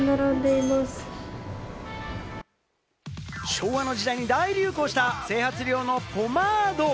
昭和の時代に大流行した整髪料のポマード。